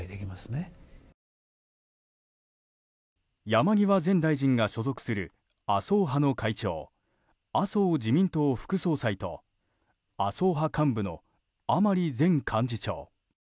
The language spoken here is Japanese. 山際前大臣が所属する麻生派の会長麻生自民党副総裁と麻生派幹部の甘利前幹事長。